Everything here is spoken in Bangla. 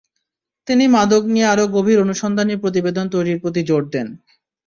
তিনি মাদক নিয়ে আরও গভীর অনুসন্ধানী প্রতিবেদন তৈরির প্রতি জোর দেন।